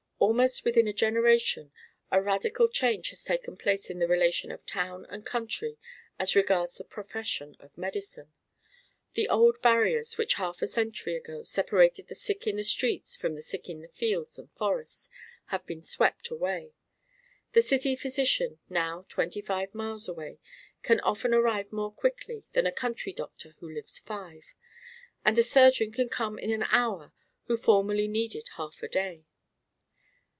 Almost within a generation a radical change has taken place in the relation of town and country as regards the profession of medicine. The old barriers which half a century ago separated the sick in the streets from the sick in fields and forests have been swept away. The city physician now twenty five miles away can often arrive more quickly than a country doctor who lives five; and a surgeon can come in an hour who formerly needed half a day.